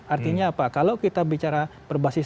artinya apa kalau kita bicara berbasis